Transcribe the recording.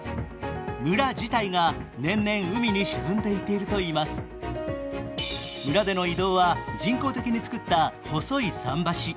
村自体が年々海に沈んでいっているといいます村での移動は人工的につくった細い桟橋。